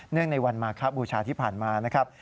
อ๋อเนื่องในวันมาครับบูชาที่ผ่านมานะครับ